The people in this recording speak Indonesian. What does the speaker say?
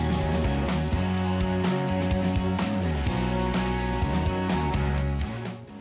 sebagai seseorang yang kuat di bidang akademik ayu melanjutkan studinya ke michigan university